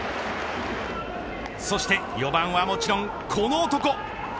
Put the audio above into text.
そして４番はもちろん、この男。